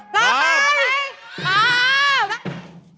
พร้อมไหม